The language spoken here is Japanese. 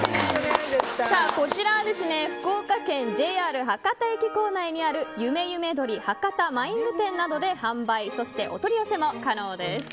こちらは福岡県ＪＲ博多駅構内にある努努鶏博多マイング店などで販売、お取り寄せも可能です。